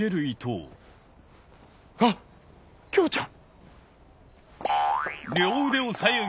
あっ京ちゃん！